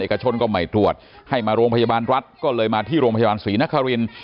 เอกชนก็ไม่ตรวจให้มาโรงพยาบาลรัฐก็เลยมาที่โรงพยาบาลศรีนคริน